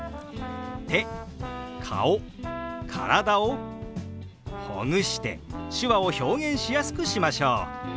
手顔体をほぐして手話を表現しやすくしましょう。